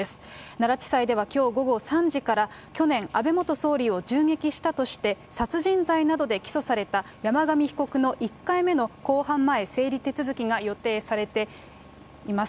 奈良地裁ではきょう午後３時から、去年、安倍元総理を銃撃したとして殺人罪などで起訴された山上被告の１回目の公判前整理手続きが予定されています。